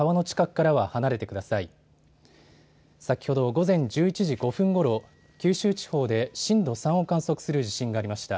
午前１１時５分ごろ、九州地方で震度３を観測する地震がありました。